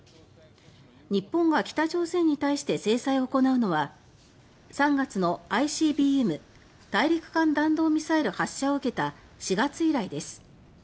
日本が北朝鮮に対して制裁を行うのは３月のＩＣＢＭ・大陸間弾道ミサイル発射を受けた４月以来です。